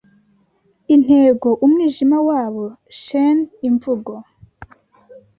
intego, umwijima wabo sheen-imvugo